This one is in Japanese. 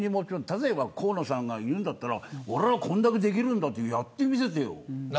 例えば河野さんが言うなら俺は今だけできるんだとやってみせてよ。